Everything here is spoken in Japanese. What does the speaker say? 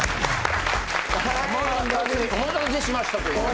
お待たせしましたというか。